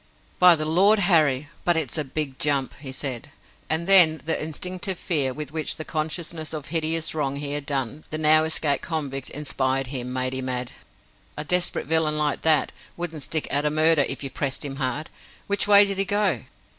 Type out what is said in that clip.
"By the Lord Harry, but it's a big jump!" he said; and then the instinctive fear with which the consciousness of the hideous wrong he had done the now escaped convict inspired him, made him add: "A desperate villain like that wouldn't stick at a murder if you pressed him hard. Which way did he go?"